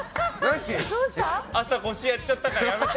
朝、腰やっちゃったからやめて。